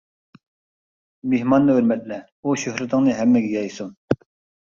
مېھماننى ھۆرمەتلە، ئۇ شۆھرىتىڭنى ھەممىگە يايسۇن.